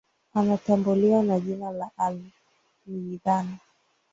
anatambuliwa kwa jina la al myidhan